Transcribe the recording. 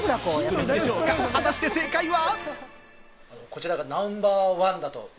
果たして正解は？